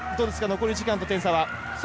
残り時間と点差は。